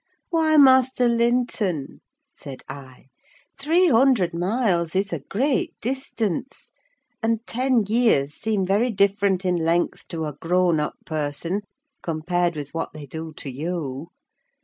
"Why, Master Linton," said I, "three hundred miles is a great distance; and ten years seem very different in length to a grown up person compared with what they do to you.